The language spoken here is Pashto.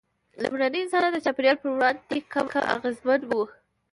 لومړني انسانان د چاپېریال پر وړاندې کم اغېزمن وو.